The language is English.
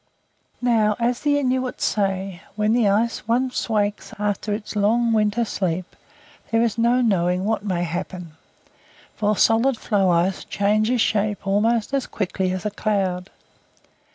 Now, as the Inuit say, when the ice once wakes after its long winter sleep, there is no knowing what may happen, for solid floe ice changes shape almost as quickly as a cloud.